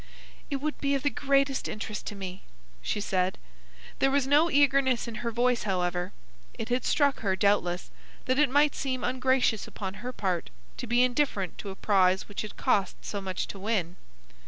"It would be of the greatest interest to me," she said. There was no eagerness in her voice, however. It had struck her, doubtless, that it might seem ungracious upon her part to be indifferent to a prize which had cost so much to win.